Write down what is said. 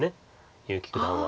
結城九段は。